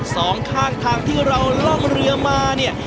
สองข้างทางที่เราล่องเรือมาเนี่ย